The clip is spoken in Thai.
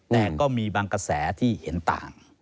แต่ก็มีบางกระแสที่เห็นต่าง